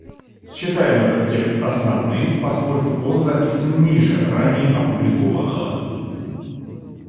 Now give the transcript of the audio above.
Считаем этот текст основным, поскольку он записан ниже ранее опубликованного.